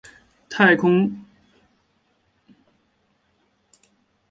泰坦空间站主管泰德曼旁建立了一个硕大的责任研究中心。